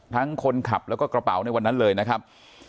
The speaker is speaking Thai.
คนขับแล้วก็กระเป๋าในวันนั้นเลยนะครับ